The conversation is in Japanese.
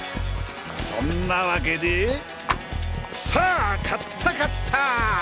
そんなわけでさあ買った買った！